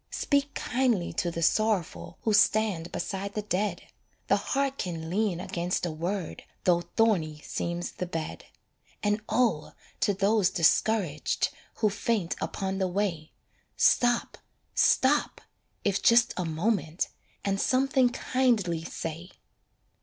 Speak kindly to the sorrowful Who stand beside the dead, The heart can lean against a word Though thorny seems the bed. And oh, to those discouraged Who faint upon the way, Stop, stop if just a moment And something kindly say.